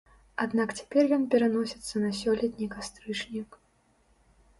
Аднак цяпер ён пераносіцца на сёлетні кастрычнік.